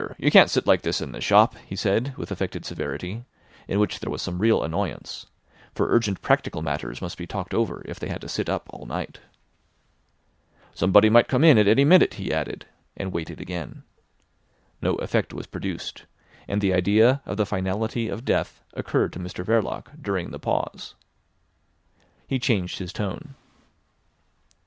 You can't sit like this in the shop," he said with affected severity, in which there was some real annoyance; for urgent practical matters must be talked over if they had to sit up all night. "Somebody might come in at any minute," he added, and waited again. No effect was produced, and the idea of the finality of death occurred to Mr Verloc during the pause. He changed his tone.